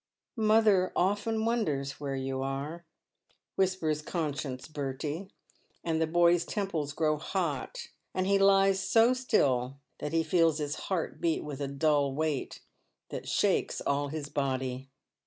" Mother often wonders where you are," whispers conscience Bertie ; and the boy's temples grow hot, and he lies so still that he feels his heart beat with a dull weight that shakes all his body.